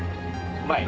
うまい？